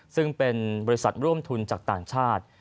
ซึ่งเป็นบริษัทร่วมทุนจากต่างชาติ